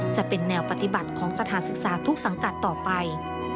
จะเป็นแนวปฏิบัติของสถานศึกษาทุกสังกัดต่อไป